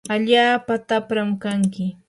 allaapa tapram kanki.